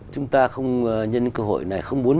chúng ta không nhân cơ hội này không muốn